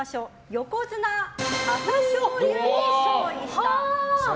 横綱・朝青龍に勝利した。